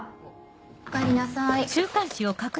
・おかえりなさい。